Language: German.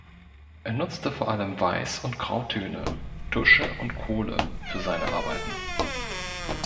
Er nutzte vor allem Weiß- und Grautöne, Tusche und Kohle für seine Arbeiten.